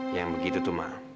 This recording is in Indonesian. yang begitu tuh ma